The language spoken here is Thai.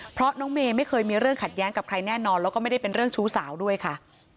เพราะน้องเมย์ไม่เคยมีเรื่องขัดแย้งกับใครแน่นอนแล้วก็ไม่ได้เป็นเรื่องชู้สาวด้วยค่ะ